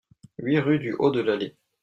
huit rue du Haut de l'Allée